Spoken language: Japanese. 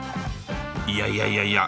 いやいやいやいや。